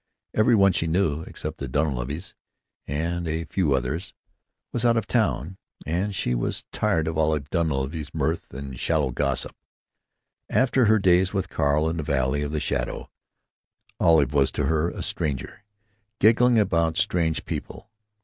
Every one she knew, except for the Dunleavys and a few others, was out of town, and she was tired of Olive Dunleavy's mirth and shallow gossip. After her days with Carl in the valley of the shadow, Olive was to her a stranger giggling about strange people.